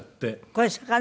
これ魚？